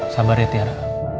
sabar ya tiara